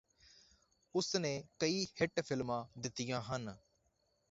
ਉਸ ਨੇ ਕਈ ਹਿੱਟ ਫ਼ਿਲਮਾਂ ਦਿੱਤੀਆਂ ਹਨ